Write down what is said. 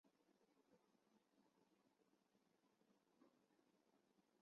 它在中国大陆和台湾都没有列入百家姓前一百位。